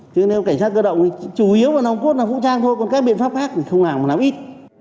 chứ nếu cảnh sát cơ động thì chủ yếu là nồng cốt là vũ trang thôi còn các biện pháp khác thì không làm một lắm ít